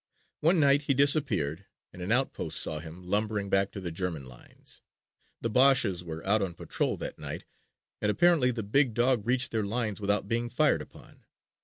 One night he disappeared and an outpost saw him lumbering back to the German lines. The Boches were out on patrol that night and apparently the big dog reached their lines without being fired upon.